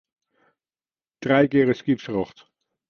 Trije kear is skippersrjocht.